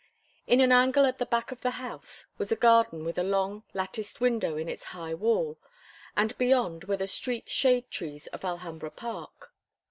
In an angle at the back of the house was a garden with a long, latticed window in its high wall, and beyond were the great shade trees of Alhambra Park.